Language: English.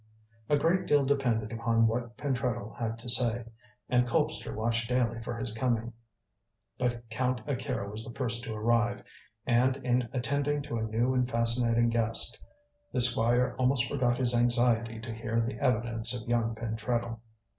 A great deal depended upon what Pentreddle had to say, and Colpster watched daily for his coming. But Count Akira was the first to arrive, and in attending to a new and fascinating guest, the Squire almost forgot his anxiety to hear the evidence of young Pentreddle.